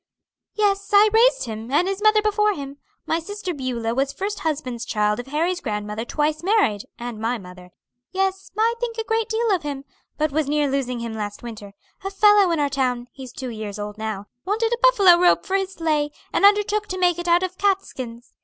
"Yes, I raised him, and his mother before him. My sister Beulah was first husband's child of Harry's grandmother twice married, and my mother. Yes, I think a great deal of him, but was near losing him last winter. A fellow in our town he's two years old now wanted a buffalo robe for his sleigh, and undertook to make it out of cat skins.